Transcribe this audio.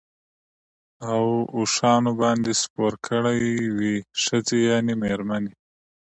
او اوښانو باندي سپور کړی وې، ښځي يعني ميرمنې